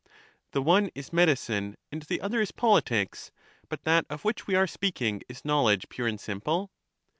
The one is medicine, and the other is politics; but that of which we are speaking is knowledge pure and simple.